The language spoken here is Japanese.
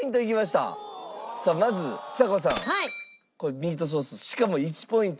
ミートソースしかも１ポイント。